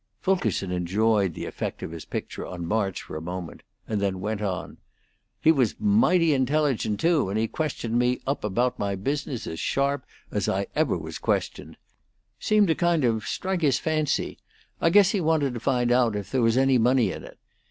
Fulkerson enjoyed the effect of his picture on March for a moment, and then went on: "He was mighty intelligent, too, and he questioned me up about my business as sharp as I ever was questioned; seemed to kind of strike his fancy; I guess he wanted to find out if there was any money in it.